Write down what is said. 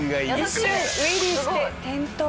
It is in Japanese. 一瞬ウイリーして転倒。